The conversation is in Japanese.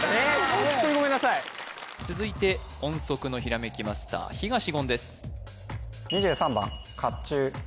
ホントにごめんなさい続いて音速のひらめきマスター東言です